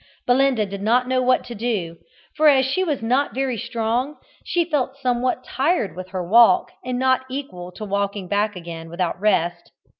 Belinda did not know what to do, for as she was not very strong, she felt somewhat tired with her walk, and not equal to walking back again without rest.